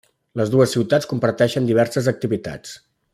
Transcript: Les dues ciutats comparteixen diverses activitats.